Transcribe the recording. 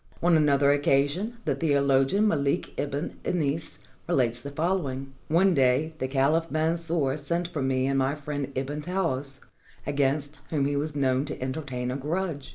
On another occasion the theolo gian MaKk Ibn Anas relates the following: "One day the caliph Mansur sent for me and my friend Ibn Taous, against whom he was known to entertain a grudge.